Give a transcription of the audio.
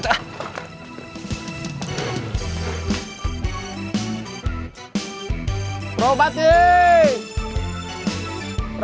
itu saya harus harus saling berkomunikasi dan selaikan because of that